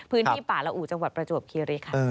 พื้นที่ป่าละอู่จังหวัดประจวบคิริคัน